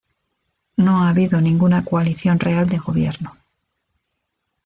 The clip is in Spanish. No ha habido ninguna coalición real de gobierno.